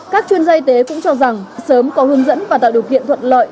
các chuyên gia y tế cũng cho rằng sớm có hướng dẫn và tạo điều kiện thuận lợi